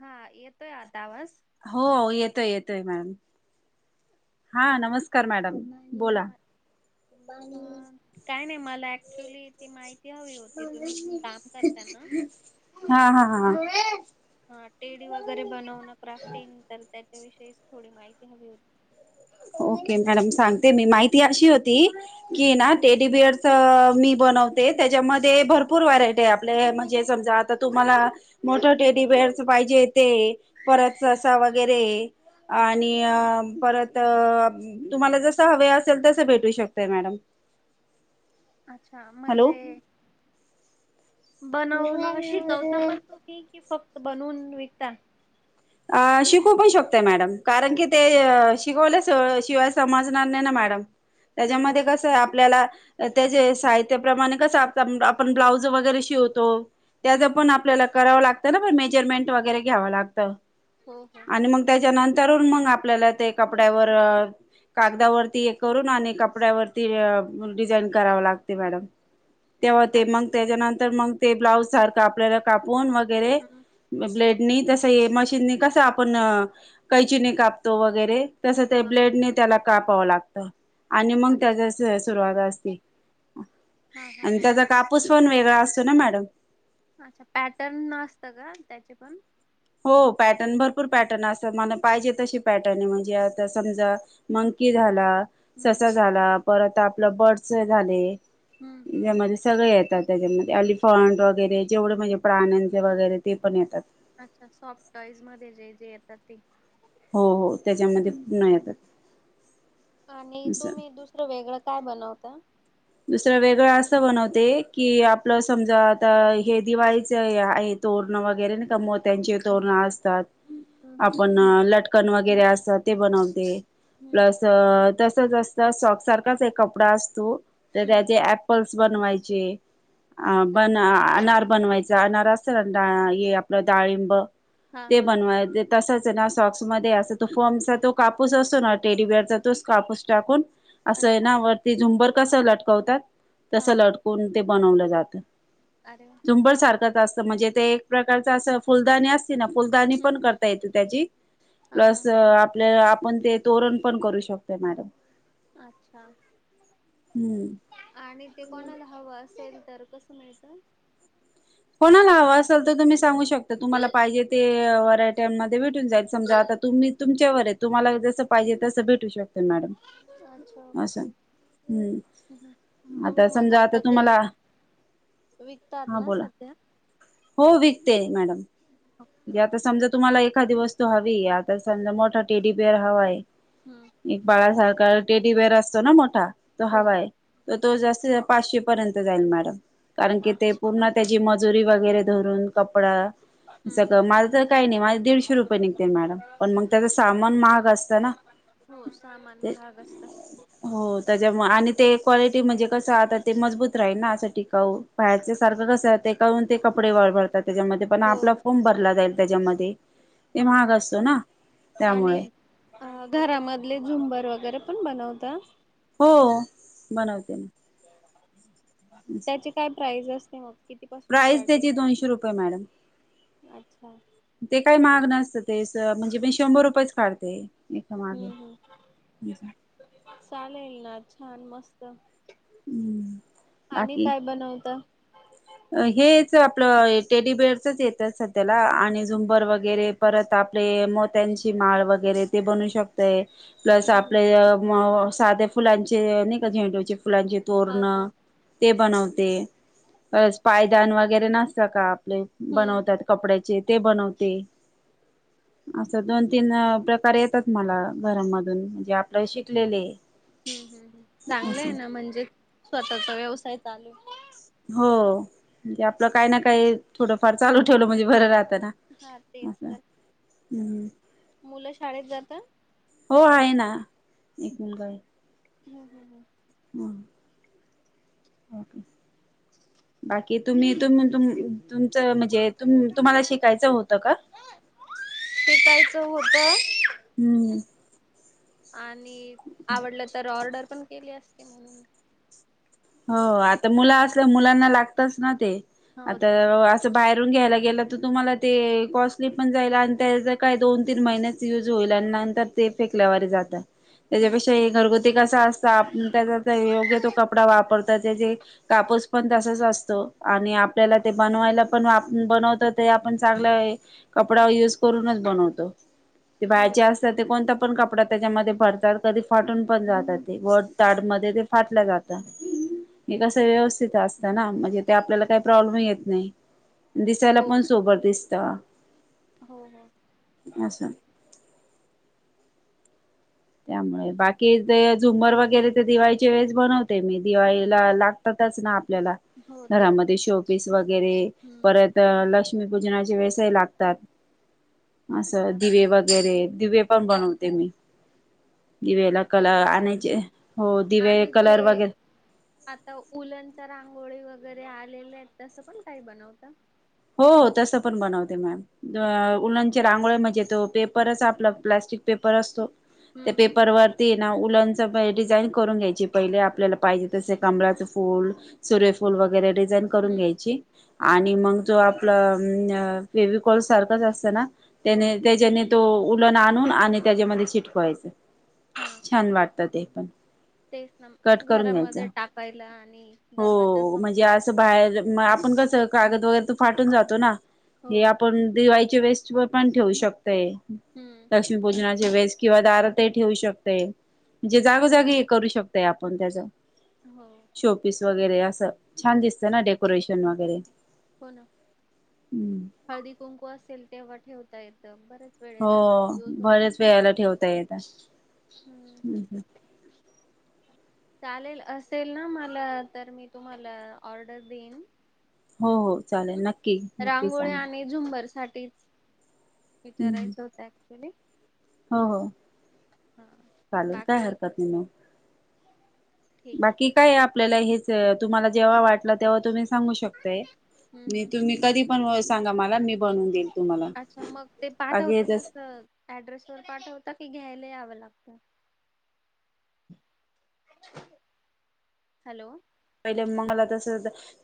हां येतोय आता आवाज? हो येतोय येतोय मॅडम. हां ठीक आहे. नमस्कांर मॅडम बोला. अ कायं नाहीं मला ऍक्च्युली ती माहिती हवी होती तुम्हीं कामं करतांयना. हां हां हां. हा टेडी वगैरे बनवणं क्राफ्टिंग तरं त्यांच्याविषयीची थोडी माहिती हवी होती. ओके मॅडम सांगते मी माहिती अशी होती की हम्म नां टेडी बिअरच मी बनवते त्याच्यामध्ये भरंपूर व्हेरांयटी आहे आपले म्हणजे समजां आता तुम्हांला मोठं टेडीबिअर्सचं पाहिजे ते परत ससा वगैरे आणि अ परत त अ तुम्हांला जसं हवे असेल तसं भेटू शकतेय मॅडम अच्छा हॅलो म्हणजे बनवन शिकवता पण तुम्ही की फक्त बनवून विकता. अ शिकू पणं शकतोय मॅडम कारणं की ते अ शिकवल्या शिवायं समज समजणार नाय न मॅडम त्यांच्या हो मध्ये कसय आपल्याला त्यांचे साहित्यांप्रमाणे कस आप आपण ब्लाऊज वगैरें शिवतो. त्यांज हम्म पण आपल्याला कराव लागत ना मेजरमेंट वगैरें घ्याव लागत. हो हो आणि मगं त्याच्यानंतरूंन मगं आपल्याला ते कपड्यांवर अ कागदावरती हे करूंन आणि कपड्यांवरती डिझाईन करावं लागते मॅडम. तेव्हा ते मगं त्यांच्यानंतर मगं ते ब्लाऊज सारखं आपल्याला कापून वगैरें हम्म ब्लेडनी तसं हे मशीननी कस आपण कैचीनी कापतो वगैरें तसं ते हा ब्लेडनी त्यांला कापावं लागतं. आणि मगं त्यांज अच्छा स सुरुवांत असती हा हा आणि हा. त्यांजा काप पुसपण वेगळां असतो ना मॅडम. अच्छा पॅटर्न असत का त्यांचे पण हो पॅटर्न भरपूर पॅटर्न असतात म्हणा पाहिजे तशी पॅटर्न आहे म्हणजे आता समजा मंकी झाला. हम्म. ससा झाला परत आपल बर्डस चे झाले हम्म हम्म ज्यामध्ये सगळे येतात त्यांच्यामध्ये यॅलीफंट वगैरें जेवढे म्हणजे प्राण्यांचे वगैरे ते पण येतात. अच्छा सॉफ्टटॉईज मध्ये जे जे येतात ते हो हो त्याच्यामध्ये पुन्हा येतात. आणि असं तुम्ही दुसरं वेगळ काय बनवता? दुसरं वेगळ अस बनवते की आपल समजा आता हे दिवाळीच हे आहेत तोरणं वगैरे नाय का मोत्यांचे तोरणं असतात. हम्म हम्म. आपण लटकन वगैरें असतात ते बनवते हम्म प्लस त तसचं असत सॉप्ट सारख्याच एक कपडा असतो तरं हम्म. त्यांचे यॅप पलस बनवाचे अ बन अनांर बनवांयचा अनार असं चंरदा हे आपलं डाळिंब हा ते हा बनवांयचे तसच हे ना सॉक्स मध्यें असते तो फॉर्मचा तो कापूस असो ना टेडीवेअरचा तोच कापूस टाकून असं य अच्छा ना वरती झुंबर कसं लटकवतांत हा तसं लटकूंन ते बनवलं जात. अरे वां! झुंबर सारखंच असतं म्हणजे ते एक प्रकारचं असं फुलदाणी आस फुलदाणी हम्म पण करता येत त्याची हा हा. प्लस आपल्या आप ते तोरण पण करू शकतोय मॅडम. अच्छा हम्म आणि ते कोणाला हवं असेल तर कसं मिळतं? कोणाला हवं असल तर तुम्ही सांगू शकता तुम्हाला पाहिजे ते व्हरायट्यांमध्ये भेटून जाईल समजा आता तुम्ही तुमच्यावर ये तुम्हाला जस पाहिजे तस भेटू शकत अच्छा मॅडम असं ओके. हम्म हम्म तुम्ही आता मग समजा आता ते तुम्हाला विकतात ना बोला सध्या हो विकते मॅडम ओके जे ओके आता स समजा तुम्हाला एखादी वस्तू हवी आता समजा मोठा टेडीबिअर हवाय हम्म. एक बाळासारखा टेडीबिअर असतो ना मोठा तो हो हवाय. तर तो जास्त पाचशे पर्यंत जाईल मॅडम कारण की ते अच्छा पूर्ण त्याची मजुरी वगैरे धरून कपडा [inaudible] सगंळ माझं तर काही नाही माझ दीडशे रुपये निघते मॅडम पण मग त्याच सामान महाग असतं ना. हो सामान ते महाग असत. हो त्याच्यामुळे आणि ते क्वालिटी म्हणजे कसं आता ते मजबूत राहील ना असं टिकाऊ बाहेरच्या सारखं कस ते काून ते कपडे वळ भरतात त्याच्यामध्ये पण हो आपला फोम भरला जाईल त्याच्यामध्ये ते हा हा महाग असतो ना आणि त्यामुळे अ घरामधले झुंबर वगैरे पण बनवता? हो बनवते. त्याचे काय प्राइज असते मग? किती पासून प्राईस स्टार्टिंग? त्याची दोनशे रुपये मॅडम अच्छा. ते काय महाग नसतं तेच म्हणजे मी शंभर रुपयेच काढते. एका मागे हम्म हम् चालेल ना छान मस्त. हम्म आणि बाकी काय बनवता? हेच आपलं टेडीबेअरचच येतात सध्याला आणि झुंबर वगैरे परत आपले मोत्यांची माळ वगैरे ते बनू शकते. प्लस हम्म आपले अ म साध्या फुलांचे नाही का झेंडूच्या फुलांचे हा हा तोरणं ते बनवते. पायदान वगैरे नसत का आपले हम्म बनवतात कपड्याचे ते बनवते. [inaudible] असं दोन तीन अ प्रकार येतात मला घरामधून ज्या हम्म हम्म् अस चांगलंय ना म्हणजे स्वतःचा व्यवसाय चालू होय म्हणजे आपलं काही ना काही थोडंफार चालू ठेवलं म्हणजे बरं राहतना. हा तेच तर मुलं शाळेत जाता हो आहे ना एक नंबर. हमम हम हम. हम. बाकी तुम्ही तुम तुम तुमच म्हणजे तुं तुम्हाला शिकायचं होतं का? शिकायचं होत. हम्म. आणि आवडलं तर ऑर्डर पण केली असती म्हणून हो आता मुलं असल्यावर मुलांना लागतच ना ते हो आता तेच अअ बाहेरून घ्यायला गेलं तर तुम्हाला ते अ कॉस्टली पण जाईल आणि त्याच काय दोन तीन महिन्यात युज होईल आणि नंतर ते फेकल्यावरी जात. हम्म त्याच्यापेक्षा हे घरगुती कसा असत आप त्याचा योग्य तो कपडा वापरता त्याचे कापूस पण तसाच असतो आणि आपल्याला ते बनवायला पण बनवत ते आपण चांगलंये. कपडा यूज करूनच बनवतो. ते हो बाहेरचे असतात ते कोणता पण कपडा त्याच्यामध्ये भरतात कधी फाटून पण जातात. वड हा हा ताडमध्ये ते फाटलं जात. हे कसं व्यवस्थित असतं ना म्हणजे ते आपल्याला काही प्रॉब्लेम येत नाही. दिसायला हो पण सोबर दिसत. हो हो. असं. त्यामुळे बाकी ते झुंमर वगैरे तर दिवाळीची वेळेस बनवते मी दिवाळीला लाग ना आपल्याला हो तेच घरामध्ये शोपीस वगैरे हम्म परत तर लक्ष्मीपूजनाच्या वेळेस लागतात असं अच्छा दिवे वगैरे दिवे पण बनवते मी. दिवेला कलर किवे आणयची. हो दिवे आणि कलर ते वगैरे आता उलनच्या रांगोळी वगैरे आलेल्या आहेत तसं पण काही बनवता? हो हो, तसं पण बनवते मॅम. उलनचे रांगोळे म्हणजे तो पेपरच आपला प्लास्टिक पेपर असतो ते हम्म. पे परवा ती ना उलनच डिझाईन करून घ्यायची पहिले आपल्याला पाहिजे तस कमळाचं फूल सूर्यफूल वगैरे डिझाईन करून हम्म घ्यायची हम्म आणि मंग जो आपला फेविकॉल सारखाच असतो ना हो त्याने त्याच्याने तो उलन आणून आणि त्याच्यामध्ये चिटकवायचं. हा. छान वाटतं ते पण. तेच ना कट करून घ्यायच. घरामध्ये टाकायला आणि दरवाजा हो समोर म्हणजे असं वगैरे. बाहेर आपण कसं कागद वगैरे तो फाटून जातो ना. हो हे आपण दिवाळीचे वेळेस पण ठेवू शक तय. हम्म लक्ष्मी पूजनाचे वेस किंवा दार ते ठेवू शकतय. म्हणजे हम्म जागोजागी हे करू शकतय आपण त्याच हो. शोपीस वगैरे असं छान दिसतं ना डेकोरेशन वगैरे. हो न. हम्म. हळदी, कुंकू असेल तेव्हा ठेवता येतं बरंच हो. बऱ्याच वेळाला ठेवता येत. हम्म. चालेल असेल ना मला तर मी तुम्हाला ऑर्डर देईन. हो हो चालेल नक्की नक्की रांगोळ्या सांग. आणि झुंबर साठीच विचारायचं होत ऍक्च्युली. हो हो, हा. चालेल काय बाकी हरकत नाही म. ठीक आहे बाकी काय हे आपल्याला हेच तुम्हाला जेव्हा वाटला तेव्हा तुम्ही सांगू शकताय. हम्म मी हम्म. तुम्ही कधी पण सांगा मला मी बनवून देईल तुम्हाला. अच्छा. मग ते पाठवत बाकी का जस अ ऍड्रेस वर पाठवता की घ्यायला यावं लागतं? हॅलो. पहिले मंगला दस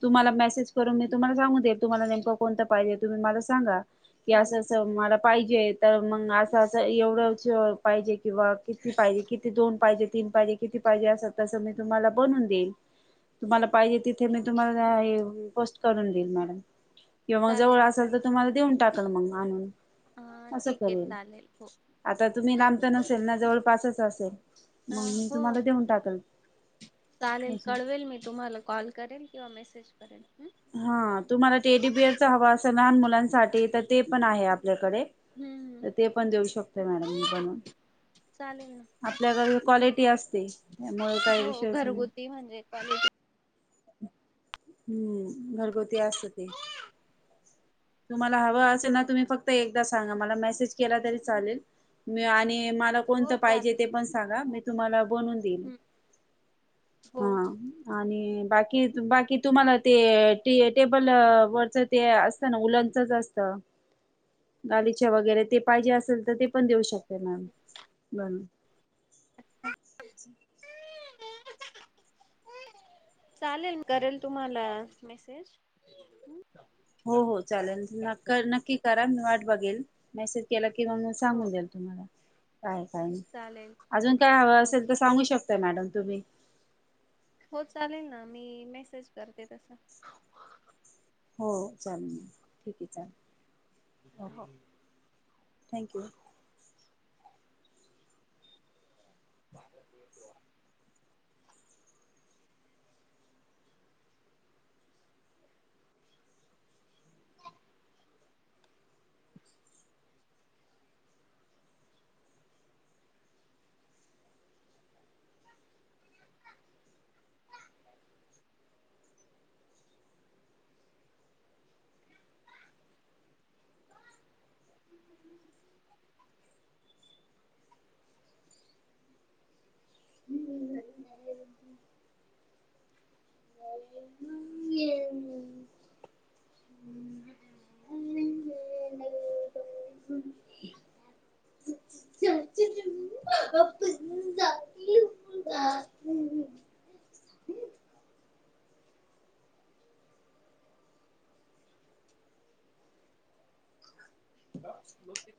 तुम्हाला मेसेज करून मी तुम्हाला सांगू दे तुम्हाला नेमकं कोणत पाहिजे तुम्ही मला सांगा. की असं चालेल अस मला पाहिजे तर मग असं अस एवढं पाहिजे की बा किती पाहिजे? किती दोन पाहिजे, तीन पाहिजे किती पाहिजे असं तसं मी तुम्हाला बनवून देईन. तुम्हाला पाहिजे तिथे मी तुम्हाला ये पोस्ट करून देईल मॅडम किंवा मग जवळ चालेल असेल त तुम्हाला देऊन टाकल मग आणून हा असं ठीक आहे करेल. चालेल हो. आता तुम्ही लांब तर नसेल ना जवळ पासच असेल. अ मग मी हो तुम्हाला देऊन टाकल. चालेल. असं. कळवेल मी तुम्हाला कॉल करेल किंवा मेसेज करेल हम्म. हा तुम्हाला, ते एटी बीएडचा हवां असं लहान मुलांसाठी तर ते पण आहे आपल्याकडे. हम्म ते पण देऊ शकत, मॅडम, मी हम्म बनून. चालेल ना. आपल्याकडे क्वालिटी असते, त्यामुळे काही हो विषय घरगुती म्हणजे. पाले. हम्म, घरगुती असत ते. तुम्हाला हवां असेल ना? तुम्ही फक्त एकदा सांगा. मला मेसेज केला तरी चालेल. मी आणि म हो कोणतं पाहिजे चालेल ते पण सांगा, मी तुम्हाला बनून दिल. हम्म हो हा.. हो. आणि बाकी, बाकी. तुम्हाला ते टेबल वरच ते असतं ना? उलंनच असत. गालीच्या वगैरे ते पाहिजे असेल, तर ते पण देऊ शकते, मॅम, म्हणून. ह... चालेल, करेल तुम्हाला मेसेज हुं.. हो, हो, चालेल. नक् नक्की करा. मी वाट बघेल. मेसेज केला, किंवा म हो सांगून दे्याल. तुम्हाला काय काय नाही, चालेल. अजून ठीक. काय हवं हो असेल, तर सांगू शकताय, मॅडम, तुम्ही. हो, चालेल ना? मी मेसेज करते तस. हो, चालेल. मॅ ठीक आहे, चालेल. हो. Okay thank you. भारतातले त्योहार. आप्पा हुं... हा, होते.